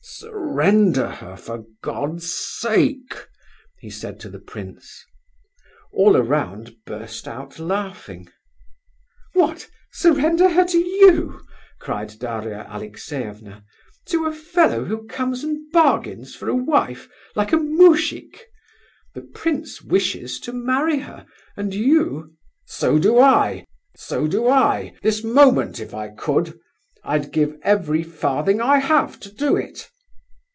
"Surrender her, for God's sake!" he said to the prince. All around burst out laughing. "What? Surrender her to you?" cried Daria Alexeyevna. "To a fellow who comes and bargains for a wife like a moujik! The prince wishes to marry her, and you—" "So do I, so do I! This moment, if I could! I'd give every farthing I have to do it."